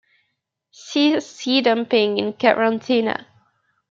See Sea dumping in Karantina.